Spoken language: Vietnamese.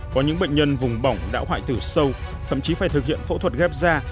có những bệnh nhân vùng bỏng đã hoại tử sâu thậm chí phải thực hiện phẫu thuật ghép da